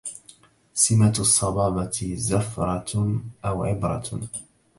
سمة الصبابة زفرة أو عبرة